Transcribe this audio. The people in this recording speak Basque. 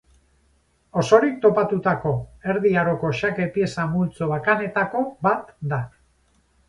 Osorik topatutako Erdi Aroko xake pieza multzo bakanetako bat da.